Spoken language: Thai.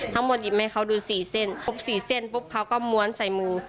หยิบให้เขาดู๔เส้นครบ๔เส้นปุ๊บเขาก็ม้วนใส่มือ